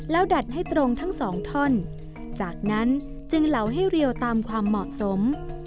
แล้วดัดให้ตรงทั้งสองท่อนจากนั้นจึงเหลาให้เรียวตามความเหมาะสม